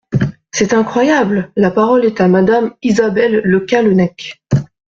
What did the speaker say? C’est incroyable ! La parole est à Madame Isabelle Le Callennec.